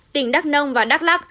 tỉnh đắk nông và đắk lắc